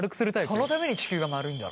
そのために地球は丸いんだろ。